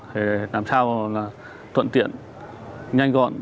để làm sao thuận tiện nhanh gọn